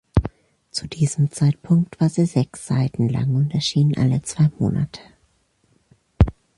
Zu diesem Zeitpunkt war sie sechs Seiten lang und erschien alle zwei Monate.